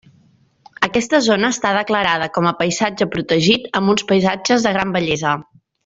Aquesta zona està declarada com a Paisatge Protegit amb uns paisatges de gran bellesa.